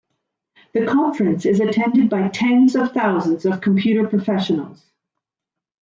The conference is attended by tens of thousands of computer professionals.